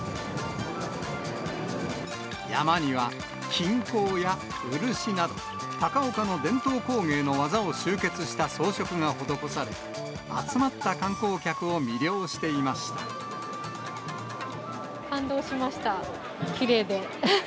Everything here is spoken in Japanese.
山車には金工や漆など、高岡の伝統工芸の技を集結した装飾が施され、集まった観光客を魅感動しました。